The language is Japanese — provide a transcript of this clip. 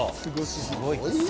すごいよ！